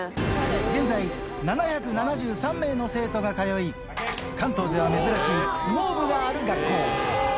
現在、７７３名の生徒が通い、関東では珍しい相撲部がある学校。